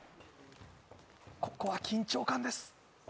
ここは緊張感です。